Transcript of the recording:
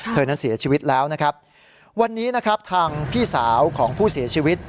เธอนั้นเสียชีวิตแล้วนะครับวันนี้นะครับทางพี่สาวของผู้เสียชีวิต